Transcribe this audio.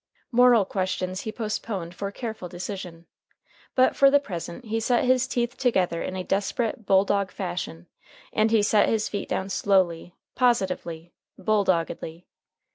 Moral questions he postponed for careful decision. But for the present he set his teeth together in a desperate, bulldog fashion, and he set his feet down slowly, positively, bulldoggedly.